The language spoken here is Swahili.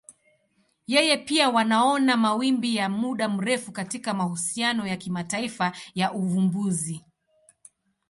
Yeye pia wanaona mawimbi ya muda mrefu katika mahusiano ya kimataifa ya uvumbuzi.